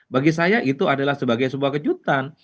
bagi saya itu adalah sebagai sebuah kejutan